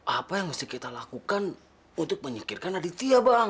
apa yang mesti kita lakukan untuk menyikirkan aditya bang